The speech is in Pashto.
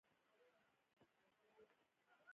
ارامه چاپېریال یې و.